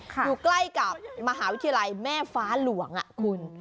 อยู่ใกล้กับมหาวิทยาลัยแม่ฟ้าหลวงคุณ